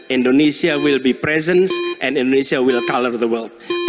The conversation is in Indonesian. indonesia akan ada lagi dan indonesia akan mencolok dunia